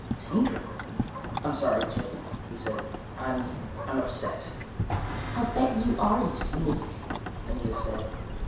"Tinker?" "I'm sorry, Gyp," he said. "I'm ... I'm upset." "I'll bet you are, you sneak," Anita said.